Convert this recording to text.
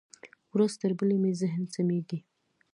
ورځ تر بلې مې ذهن سمېږي.